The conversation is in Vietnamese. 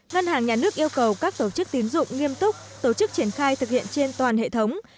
ngân hàng nhà nước yêu cầu các tổ chức tín dụng nghiêm túc tổ chức triển khai thực hiện trên toàn hệ thống